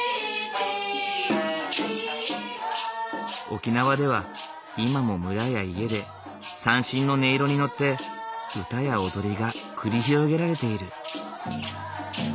沖縄では今も村や家で三線の音色に乗って唄や踊りが繰り広げられている。